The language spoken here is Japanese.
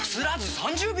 ３０秒！